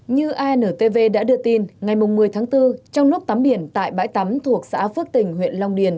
như intv đã đưa tin ngày một mươi tháng bốn trong lúc tắm biển tại bãi tắm thuộc xã phước tình huyện long điền